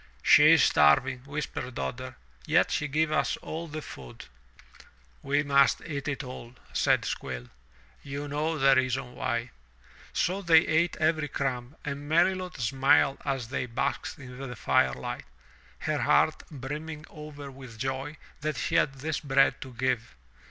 *'She is starving," whispered Dodder, 'V^t she gives us all the food." 244 THROUGH FAIRY HALLS "We must eat it all/' said Squill. "You know the reason why/* So they ate every crumb and Melilot smiled as they basked in the firelight, her heart brimming over with joy that she had this bread to give.